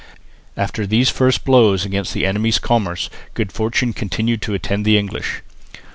After these first blows against the enemy's commerce good fortune continued to attend the English.